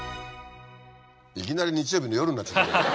いきなり日曜日の夜になっちゃったね。